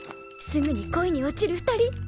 すぐに恋に落ちる二人。